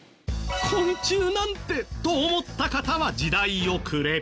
昆虫なんてと思った方は時代遅れ。